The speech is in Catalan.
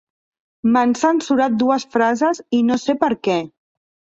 M'han censurat dues frases i no sé per què.